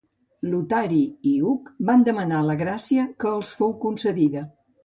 Lotari i Hug van demanar la gràcia que els fou concedida.